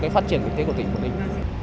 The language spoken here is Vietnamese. phát triển thực tế của tỉnh quảng ninh